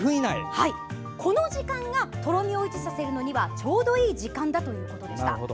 この時間がとろみを維持させるのにはちょうどいい時間だということでした。